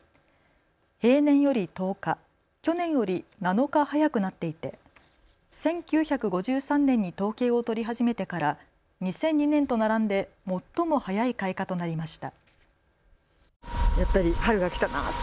平年より１０日、去年より７日早くなっていて１９５３年に統計を取り始めてから２００２年と並んで最も早い開花となりました。